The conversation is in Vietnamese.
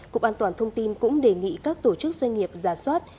cục an toàn thông tin cũng đề nghị các tổ chức doanh nghiệp giả soát